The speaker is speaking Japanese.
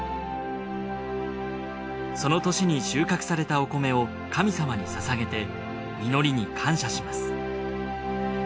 その年に収穫されたお米を神様にささげて実りに感謝します